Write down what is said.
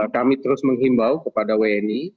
kami terus menghimbau kepada wni